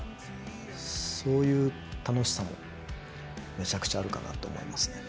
そういう楽しさもめちゃくちゃあるかなと思いますね。